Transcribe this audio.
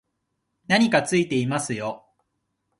何かついてますよ